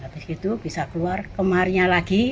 habis itu bisa keluar kemarinya lagi